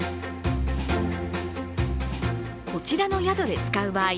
こちらの宿で使う場合